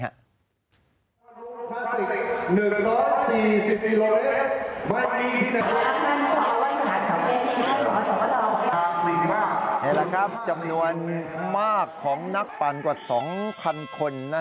นี่แหละครับจำนวนมากของนักปั่นกว่า๒๐๐๐คน